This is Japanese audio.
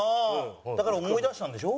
だから思い出したんでしょ？